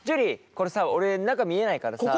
これさ俺中見えないからさ。